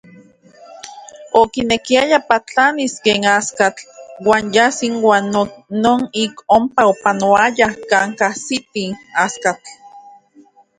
Okinekiaya patlanis ken astatl uan yas inuan non ik onpa opanoayaj uan kajsitis Astlan.